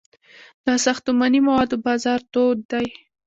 د ساختماني موادو بازار تود دی